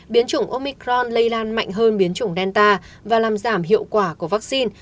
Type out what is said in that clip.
biến chủng omicron lây lan mạnh hơn biến chủng delta và làm giảm hiệu quả của vaccine